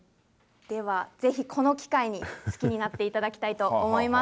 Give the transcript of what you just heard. では、ぜひこの機会に、好きになっていただきたいと思います。